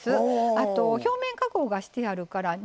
あと表面加工がしてあるから煮汁をね